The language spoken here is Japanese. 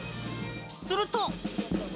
すると！